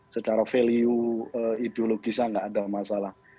secara value ideologis enggak ada masalah